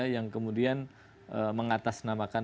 yang kemudian mengatasnamakan